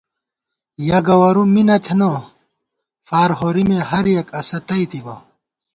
یَہ گوَرُوم می نہ تھنہ، فارہورِمےہر یَک اسہ تئیتِبہ